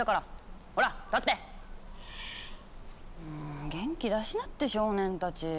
ん元気出しなって少年たち。